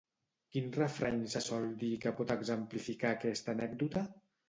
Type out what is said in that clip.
Quin refrany se sol dir i que pot exemplificar aquesta anècdota?